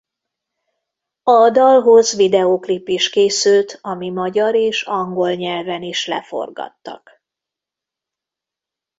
A dalhoz videóklip is készült ami magyar és angol nyelven is leforgattak.